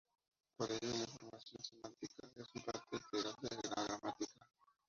Por ello, la información semántica es una parte integral de la gramática.